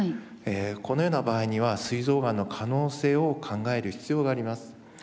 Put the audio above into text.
このような場合にはすい臓がんの可能性を考える必要があります。